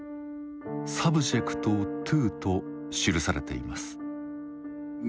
「ｓｕｂｊｅｃｔｔｏ」と記されています。